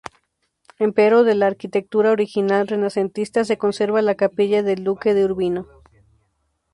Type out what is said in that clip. Empero, de la arquitectura original renacentista, se conserva la "Capilla del duque de Urbino".